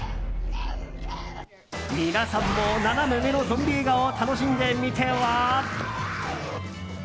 皆さんもナナメ上のゾンビ映画を楽しんでみては？